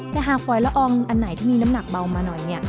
แต่หากฝอยละอองอันไหนที่มีน้ำหนักเบามาหน่อยเนี่ย